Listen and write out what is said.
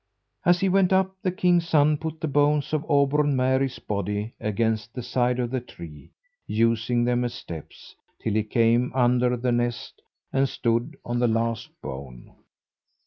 As he went up, the king's son put the bones of Auburn Mary's body against the side of the tree, using them as steps, till he came under the nest and stood on the last bone.